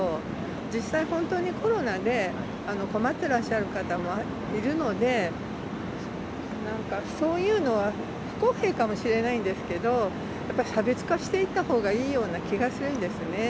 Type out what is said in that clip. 実際、本当にコロナで困ってらっしゃる方もいるので、そういうのは不公平かもしれないんですけど、やっぱり差別化していったほうがいいような気がするんですね。